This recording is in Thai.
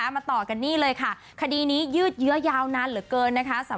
มาต่อกันนี่เลยค่ะคดีนี้ยืดเยื้อยาวนานเหลือเกินนะคะ